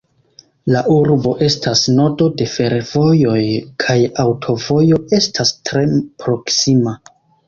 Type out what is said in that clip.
La urbo estas nodo de fervojoj kaj aŭtovojo estas tre proksima.